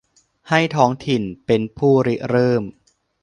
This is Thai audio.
ให้ท้องถิ่นเป็นผู้ริเริ่ม